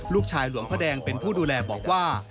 หลวงพ่อแดงเป็นผู้ดูแลบอกว่า